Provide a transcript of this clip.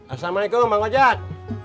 assalamualaikum bang wajad